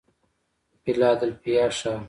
فیلادلفیا ښار